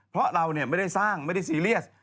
เพราะเราไม่ได้สร้างไม่ได้ซีเรียส